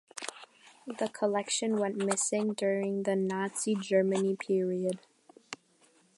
The collection went missing during the Nazi Germany period.